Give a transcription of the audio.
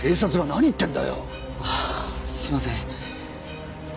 はあすみません。